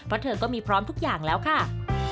เพราะเธอก็มีพร้อมทุกอย่างแล้วค่ะ